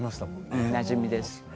おなじみです。